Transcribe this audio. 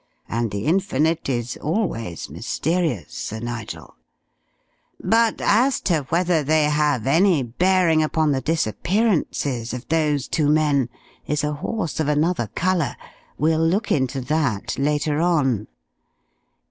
And the Infinite is always mysterious, Sir Nigel. But as to whether they have any bearing upon the disappearances of those two men is a horse of another colour. We'll look into that later on.